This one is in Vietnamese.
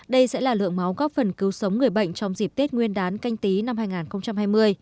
đây sẽ là lượng máu góp phần cứu sống người bệnh trong dịp tết nguyên đán canh tí năm hai nghìn hai mươi